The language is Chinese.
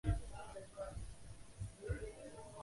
滇葎草为桑科葎草属下的一个种。